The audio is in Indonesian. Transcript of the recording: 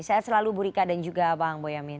sehat selalu bu rika dan juga bang boyamin